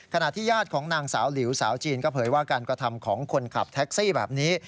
ขณะที่ญาติของนางสาวหลิวสาวจีนก็เผยว่าการกระทำของคนขับแท็กซี่แบบนี้